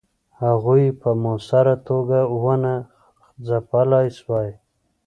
هغوی یې په موثره توګه ونه ځپلای سوای.